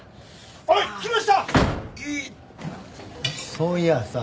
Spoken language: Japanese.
そういやさ